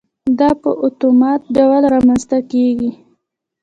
دا په اتومات ډول رامنځته کېږي.